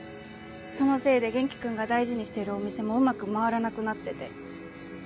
そのせいで元気君が大事にしてるお店もうまく回らなくなってて。